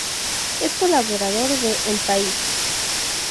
Es colaborador de El País.